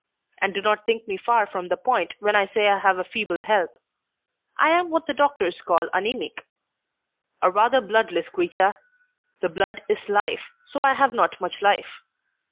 And do not think me far from the point when I say I have a feeble health. I am what the doctors call anaemic; a rather bloodless creature. The blood is life, so I have not much life.